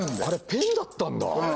あれペンだったんだ